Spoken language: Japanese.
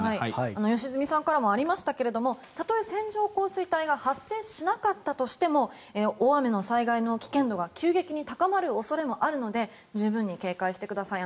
良純さんからもありましたがたとえ線状降水帯が発生しなかったとしても大雨の災害の危険度が急激に高まる恐れもあるので十分に警戒してください。